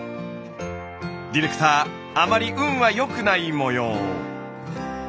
ディレクターあまり運は良くないもよう。